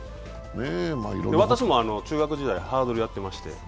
私も中学時代、ハードルやってまして。